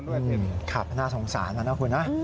อืมครับน่าสงสารนะคุณนะ